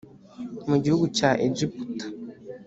mu gihugu cya egiputa